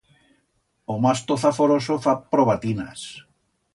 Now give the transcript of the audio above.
O masto zaforoso fa probatinas.